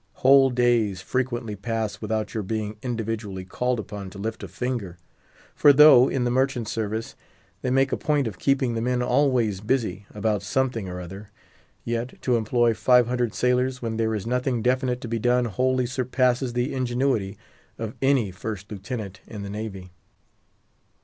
Whole days frequently pass without your being individually called upon to lift a finger; for though, in the merchant service, they make a point of keeping the men always busy about something or other, yet, to employ five hundred sailors when there is nothing definite to be done wholly surpasses the ingenuity of any First Lieutenant in the Navy.